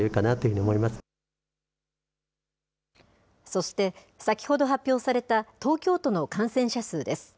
そして、先ほど発表された東京都の感染者数です。